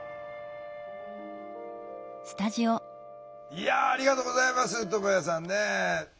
いやありがとうございますともやさんねえ。